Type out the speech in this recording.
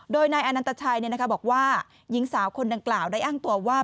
โดยนายอนันตชัยบอกว่าหญิงสาวคนดังกล่าวได้อ้างตัวว่า